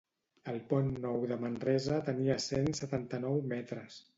El Pont Nou de Manresa tenia cent setanta-nou metres